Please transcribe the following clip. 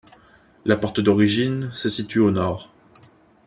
La porte d'origine se situe au nord.